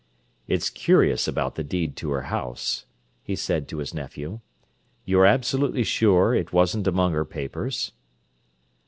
"It's curious about the deed to her house," he said to his nephew. "You're absolutely sure it wasn't among her papers?"